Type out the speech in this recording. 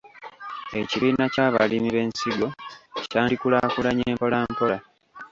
Ekibiina ky’abalimi b’ensigo kyandikulaakulanye mpolampola.